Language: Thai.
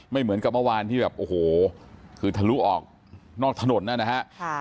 เหมือนกับเมื่อวานที่แบบโอ้โหคือทะลุออกนอกถนนนะฮะ